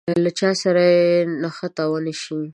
له چا سره يې نښته ونه شي.